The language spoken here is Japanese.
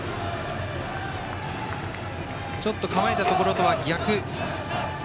ちょっと構えたところとは逆。